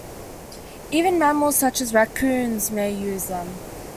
Even mammals such as raccoons may use them.